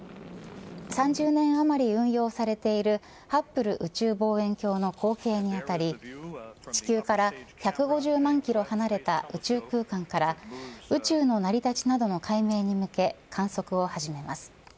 ３０年間運用されているハップル宇宙望遠鏡の後継にあたり地球から１５０万キロ離れた宇宙空間から宇宙の成り立ちなどの解明に向けて観測を始めます。